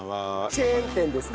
チェーン店ですか？